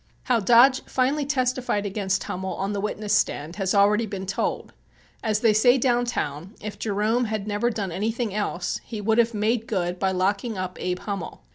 How Dodge finally testified against Hummel on the witness stand has already been told. As they say down town, if Jerome had never done anything else, he would have "made good" by locking up Abe Hummel.